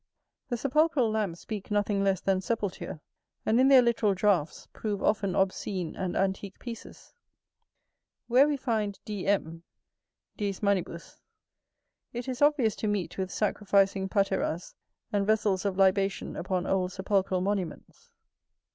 The sepulchral lamps speak nothing less than sepulture, and in their literal draughts prove often obscene and antick pieces. Where we find _D. M._[BA] it is obvious to meet with sacrificing pateras and vessels of libation upon old sepulchral monuments.